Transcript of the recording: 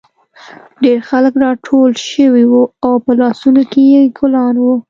ډېر خلک راټول شوي وو او په لاسونو کې یې ګلان وو